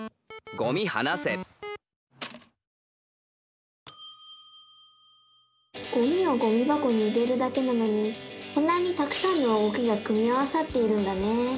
ゴミをゴミばこに入れるだけなのにこんなにたくさんの動きが組み合わさっているんだね！